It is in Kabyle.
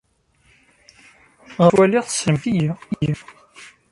Ɣef wakken ttwaliɣ, tessnemt-iyi.